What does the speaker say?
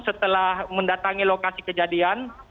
setelah mendatangi lokasi kejadian